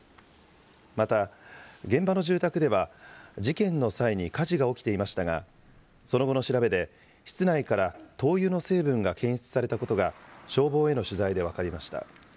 また現場の住宅では、事件の際に火事が起きていましたが、その後の調べで、室内から灯油の成分が検出されたことが、消防への取材で分かりました。